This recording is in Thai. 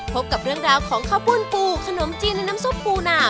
พบกับเรื่องราวของข้าวปุ้นปูขนมจีนและน้ำซุปปูนา